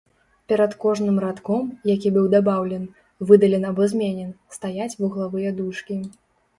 Перад кожным радком, які быў дабаўлен, выдален або зменен, стаяць вуглавыя дужкі.